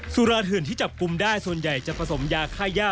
สุราเถื่อนที่จับกลุ่มได้ส่วนใหญ่จะผสมยาค่าย่า